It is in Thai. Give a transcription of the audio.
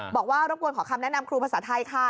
บอกว่ารบกวนขอคำแนะนำครูภาษาไทยค่ะ